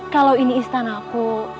kalau ini istanaku